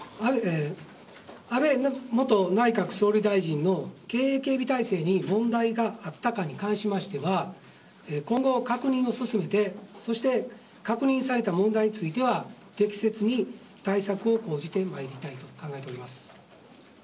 安倍元内閣総理大臣の警備態勢に問題があったかに関しましては今後、確認を進めてそして確認された問題については適切に対策を講じてまいりたいと考えております。